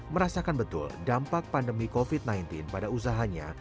merasakan betul dampak pandemi covid sembilan belas pada usahanya